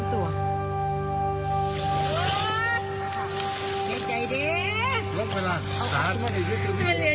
เพื่อนจะจัดเวลาถ่ายแล้วจะสู้จุเวลา